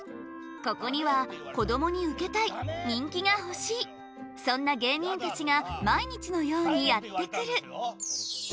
ここにはこどもにウケたい人気が欲しいそんな芸人たちが毎日のようにやって来る。